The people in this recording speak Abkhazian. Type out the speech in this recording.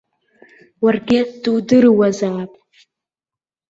Уаргьы дудыруазаап.